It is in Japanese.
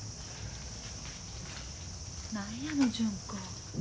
何やの純子。